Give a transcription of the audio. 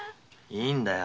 いいんだよ